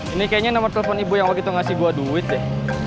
ini kayaknya nomor telepon ibu yang waktu itu ngasih gue duit deh